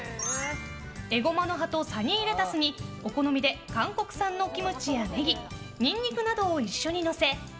エゴマの葉とサニーレタスにお好みで韓国産のキムチやネギニンニクなどを一緒にのせ